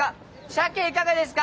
鮭いかがですか！